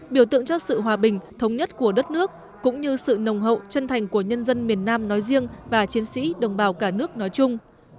biểu tượng cho sự hòa bình thống nhất của đất nước cũng như sự nồng hậu chân thành của nhân dân miền nam nói riêng và chiến sĩ đồng bào cả nước nói chung